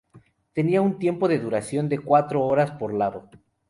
Tenía un tiempo de duración de cuatro horas por lado.